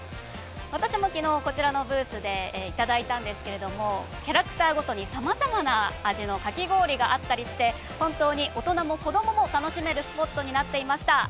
私も昨日、こちらのブースでいただいたんですけどもキャラクターごとに様々な味のかき氷があったりして本当に大人も子どもも楽しめるスポットになっていました。